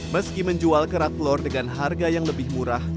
meski menjual kerak telur dengan harga yang lebih murah